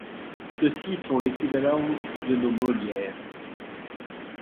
Ceux-ci sont l'équivalent de nos Molières.